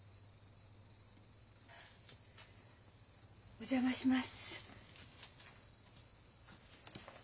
お邪魔します。